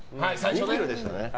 ２ｋｇでしたね。